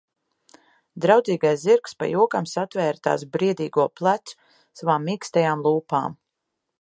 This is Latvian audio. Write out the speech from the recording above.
Draudzīgais zirgs pa jokam satvēra tās briedīgo plecu savām mīkstajām lūpām.